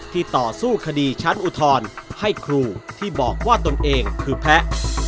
ต่อสู้คดีชั้นอุทธรณ์ให้ครูที่บอกว่าตนเองคือแพ้